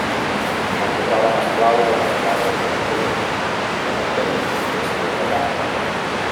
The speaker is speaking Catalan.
El tocaven esclaus a les cases dels colons que mantenien orquestres de cambra.